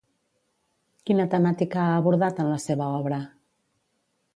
Quina temàtica ha abordat en la seva obra?